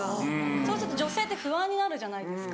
そうすると女性って不安になるじゃないですか。